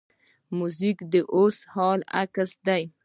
موزیک د اوسني حال عکس دی.